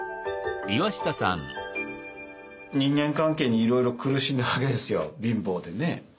人間関係にいろいろ苦しんだわけですよ貧乏でね。